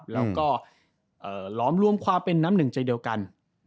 แล้วก็หลอมรวมความเป็นน้ำหนึ่งใจเดียวกัน